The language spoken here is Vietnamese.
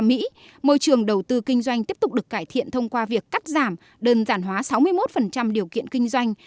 môi trường đầu tư kinh doanh tiếp tục được cải thiện thông qua việc cắt giảm đơn giản hóa sáu mươi một điều kiện kinh doanh